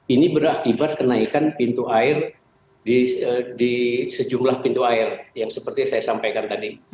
ini berakibat kenaikan pintu air di sejumlah pintu air yang seperti saya sampaikan tadi